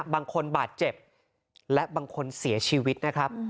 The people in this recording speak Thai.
บางคนบาดเจ็บและบางคนเสียชีวิตนะครับ